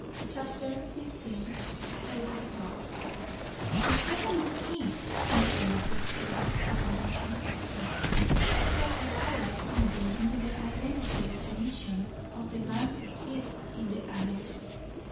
CHAPTER XV TABLE TALK The seventh key! Mr. Magee thrilled at the mention of it. So Elijah Quimby knew the identity and the mission of the man who hid in the annex.